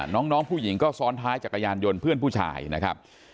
น้องผู้หญิงก็ซ้อนท้ายจักรยานยนต์เพื่อนผู้ชายนะครับ